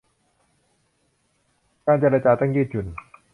การเจรจาต้องยืดหยุ่น